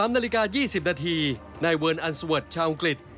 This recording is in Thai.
๑๓นาฬิกา๒๐นาทีนายเวิร์นอัลสเวิร์ดชาวอังกฤษ